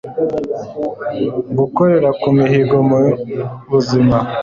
gukorera ku mihigo mu buzima